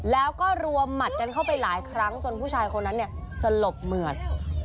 แล้วก็รวมหมัดกันเข้าไปหลายครั้งจนผู้ชายคนนั้นเนี่ยสลบเหมือด